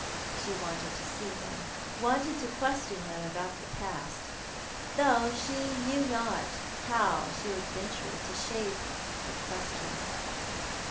She wanted to see him — wanted to question him about the past, though she knew not how she would venture to shape her qiiestions.